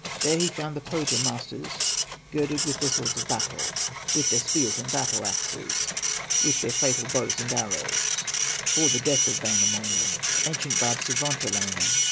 There he found the Pohya masters Girded with their swords of battle, With their spears and battle axes, With their fatal bows and arrows, For the death of Wainamoinen, Ancient bard, Suwantolainen.